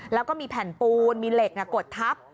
แล้วก็มีแผ่นปูนมีเหล็กกดทับ